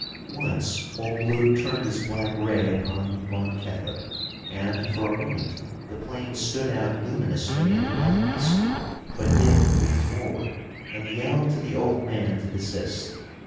Once old Lake turned his black ray upon Von Kettler, and for, a moment the plane stood out luminously in the blackness, but Dick leaned forward and yelled to the old man to desist.